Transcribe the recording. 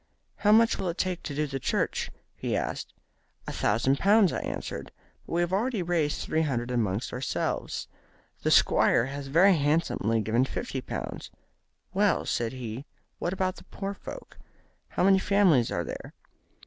'How much will it take to do the church?' he asked. 'A thousand pounds,' I answered; 'but we have already raised three hundred among ourselves. The Squire has very handsomely given fifty pounds.' 'Well,' said he, 'how about the poor folk? How many families are there?'